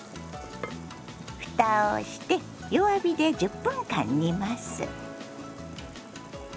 ふたをして弱火で１０分間煮ます。